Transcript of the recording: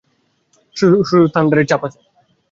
শুধু থান্ডারের ছাপ আছে।